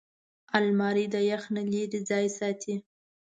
الماري د یخ نه لېرې ځای ساتي